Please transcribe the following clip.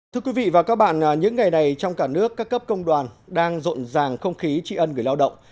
thưa quý vị và các bạn những ngày này trong cả nước các cấp công đoàn đang rộn ràng không khí trị ân người lao động